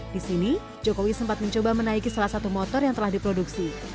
di sini jokowi sempat mencoba menaiki salah satu motor yang telah diproduksi